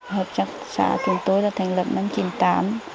hợp tác xã chúng tôi đã thành lập năm chín mươi tám